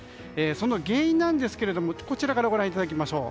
その原因ですけどこちらからご覧いただきましょう。